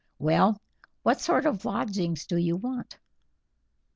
Well, what sort of lodgings do you want?"